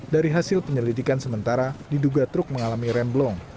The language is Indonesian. dari hasil penyelidikan sementara diduga truk mengalami remblong